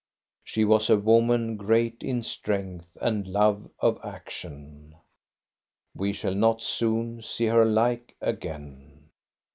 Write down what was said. She was a woman great in strength and love of action. We shall not soon see her like again.